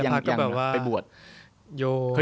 อย่างไปบวช